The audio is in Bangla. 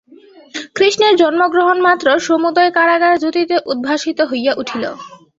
কৃষ্ণের জন্মগ্রহণমাত্র সমুদয় কারাগার জ্যোতিতে উদ্ভাসিত হইয়া উঠিল।